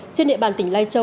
trên địa bàn tỉnh lai châu